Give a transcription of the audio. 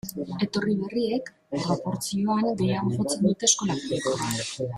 Etorri berriek, proportzioan, gehiago jotzen dute eskola publikora.